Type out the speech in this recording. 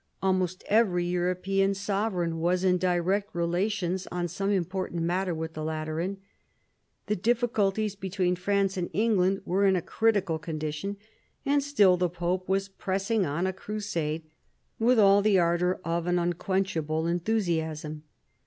Almost every European sovereign was in direct relations on some important matter with the Lateran, the difficulties between France and England were in a critical con dition, and still the pope was pressing on a crusade with all the ardour of an unquenchable enthusiasm.